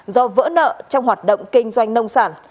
do vỡ nợ trong hoạt động kinh doanh nông sản